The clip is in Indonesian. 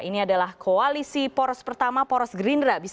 ini adalah koalisi poros pertama poros gerindra